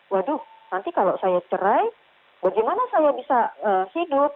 waduh nanti kalau saya cerai bagaimana saya bisa hidup